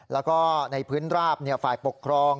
แล้วก็ในพื้นราบฝ่ายปกครอง